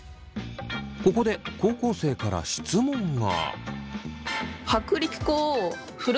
ここで高校生から質問が。